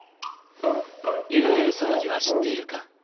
幽霊騒ぎは知っているか？